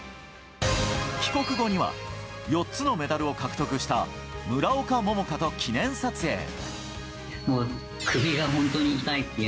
帰国後には４つのメダルを獲得した村岡桃佳と記念撮影。